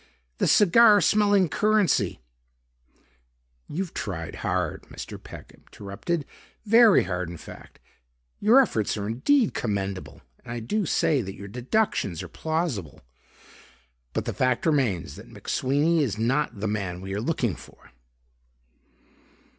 "The cigar smelling currency...." "You've tried hard," Mr. Peck interrupted, "very hard, in fact. Your efforts are indeed commendable and I do say that your deductions are plausible, but the fact remains that McSweeney is not the man we are looking for."